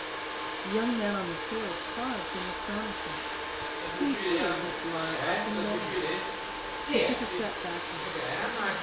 The young man on the stairs paused in astonishment. He, too, looked Laura up and down. She took a step backward.